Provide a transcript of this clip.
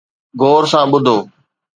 غور سان ٻڌو